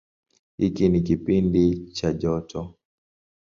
Hiki ni kipindi cha joto.